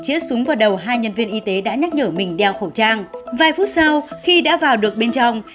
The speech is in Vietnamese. chiếc súng qua đầu hai nhân viên y tế đã nhắc nhở mình đeo khẩu trang vài phút sau khi đã vào được bên trong